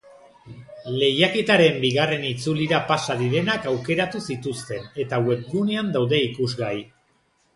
Lehiaketaren bigarren itzulira pasa direnak aukeratu zituzten eta webgunean daude ikusgai.